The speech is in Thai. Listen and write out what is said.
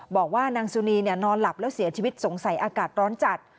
บอกว่านางสุนีนอนหลับแล้วเสียชีวิตสงสัยอากาศร้อนจัด